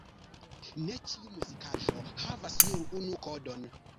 Ne ĉiu muzikaĵo havas nur unu kodon.